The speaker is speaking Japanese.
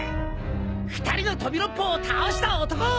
２人の飛び六胞を倒した男。